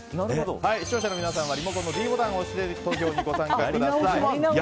視聴者の皆さんはリモコンのｄボタンを押して投票にご参加ください。